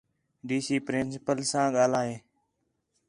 ڈی سی پرنسپل ساں ڳاہلا ہے